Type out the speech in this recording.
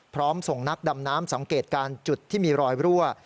ส่งนักดำน้ำสังเกตการณ์จุดที่มีรอยรั่ว